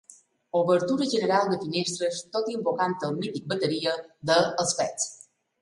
Obertura general de finestres tot invocant el mític bateria de Els Pets.